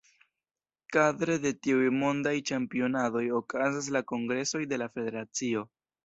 Kadre de tiuj mondaj ĉampionadoj okazas la kongresoj de la federacio.